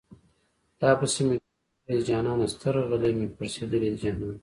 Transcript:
تاپسې مې ډېر ژړلي دي جانانه سترغلي مې پړسېدلي دي جانانه